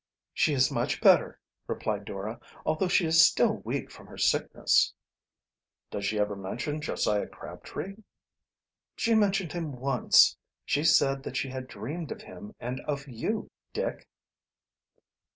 "She is much better," replied Dora, "although she is still weak from her sickness." "Does she ever mention Josiah Crabtree?" "She mentioned him once. She said that she had dreamed of him and of you, Nick."